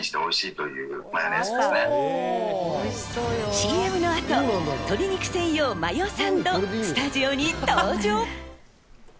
ＣＭの後、鶏肉専用マヨサンド、スタジオに登場。